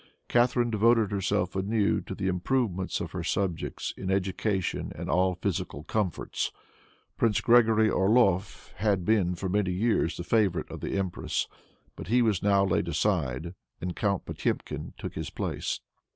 Catharine devoted herself anew to the improvement of her subjects in education and all physical comforts. Prince Gregory Orlof had been for many years the favorite of the empress, but he was now laid aside, and Count Potemkin took his place.